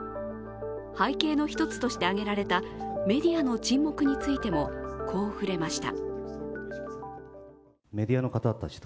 背景の１つとして挙げられたメディアの沈黙についてもこう触れました。